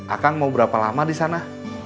akang mau berapa lama di sana